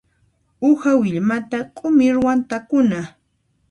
Uha willmata q'umirwan takuna.